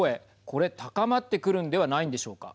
これ、高まってくるんではないでしょうか。